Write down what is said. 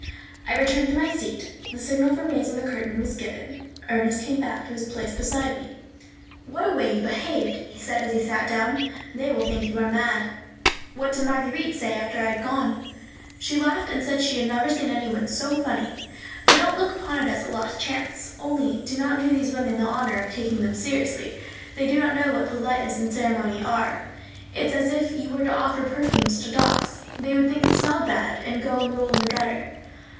I returned to my seat. The signal for raising the curtain was given. Ernest came back to his place beside me. "What a way you behaved!" he said, as he sat down. "They will think you are mad." "What did Marguerite say after I had gone?" "She laughed, and said she had never seen anyone so funny. But don't look upon it as a lost chance; only do not do these women the honour of taking them seriously. They do not know what politeness and ceremony are. It is as if you were to offer perfumes to dogs—they would think it smelled bad, and go and roll in the gutter."